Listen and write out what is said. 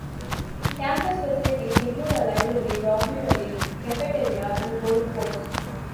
Campus facilities include a library, dormitory, cafeteria and golf course.